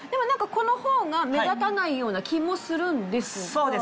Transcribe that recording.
この方が目立たないような気もするんですが。